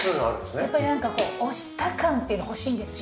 やっぱりなんかこう押した感っていうのが欲しいんですよ。